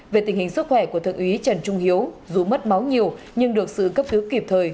về tình hình sức khỏe của thượng úy trần trung hiếu dù mất máu nhiều nhưng được sự cấp cứu kịp thời